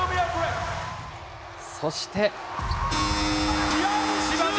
そして。